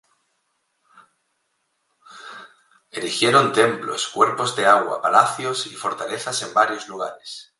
Erigieron templos, cuerpos de agua, palacios y fortalezas en varios lugares.